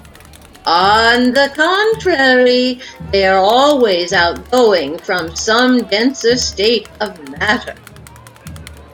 On the contrary, they are always outgoing from some denser state of matter.